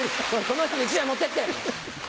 この人の１枚持ってって。